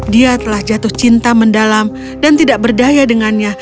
dia telah jatuh cinta mendalam dan tidak berdaya dengannya